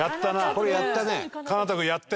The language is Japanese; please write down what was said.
これやったね。